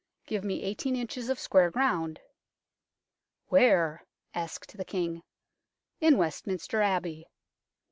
" Give me eighteen inches of square ground." " Where ?" asked the King. " In Westminster Abbey."